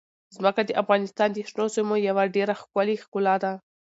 ځمکه د افغانستان د شنو سیمو یوه ډېره ښکلې ښکلا ده.